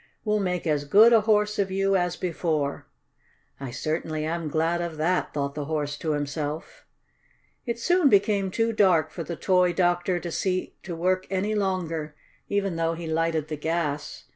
"We'll make as good a Horse of you as before." "I certainly am glad of that," thought the Horse to himself. It soon became too dark for the toy doctor to see to work any longer, even though he lighted the gas.